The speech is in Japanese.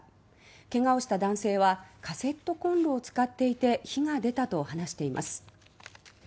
けがをした男性はカセットコンロを使っていて火が出たと話しています。